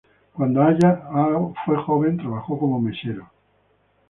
Cuando Halla-aho fue joven trabajó como mesero.